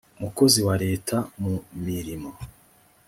mukozi wa leta mu mirimo